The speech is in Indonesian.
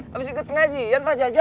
habis ikut ngajian pak jajak